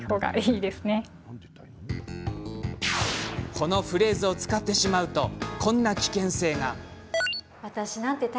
このフレーズを使ってしまうとこんな危険性が。